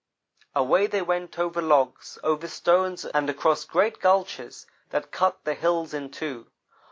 "Away they went over logs, over stones and across great gulches that cut the hills in two.